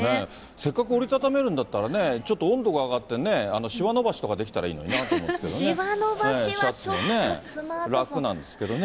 せっかく折り畳めるんだったら、ちょっと温度が上がってね、しわ伸ばしたとかできたらいいのになと思うんですけどね。